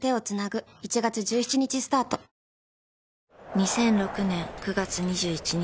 ２００６年９月２１日